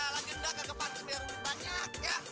lagi enggak kaget banget biar lebih banyak ya